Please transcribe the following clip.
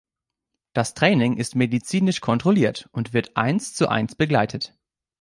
Das Training ist medizinisch kontrolliert und wird eins zu eins begleitet.